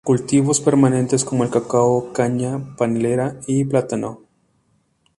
Cultivos permanentes como el cacao, caña panelera y plátano.